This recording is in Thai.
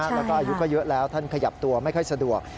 แล้วก็อายุก็เยอะแล้วท่านขยับตัวไม่ค่อยสะดวก